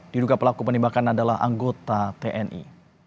diduga pelaku penembakan adalah anggota tni